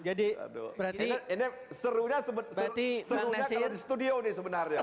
jadi ini serunya kalau di studio ini sebenarnya